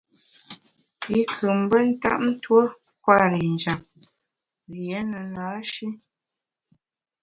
I nkù mbe ntap tuo kwer i njap, rié ne na-shi.